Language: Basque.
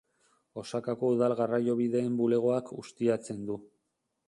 Osakako Udal Garraiobideen Bulegoak ustiatzen du.